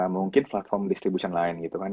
mungkin platform distribution lain gitu kan